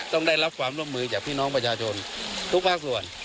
ต้องได้รับความร่วมมือจากพี่น้องประชาชนทุกภาคส่วน